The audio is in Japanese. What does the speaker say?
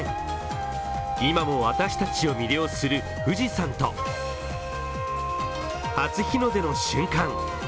今も私たちを魅了する富士山と初日の出の瞬間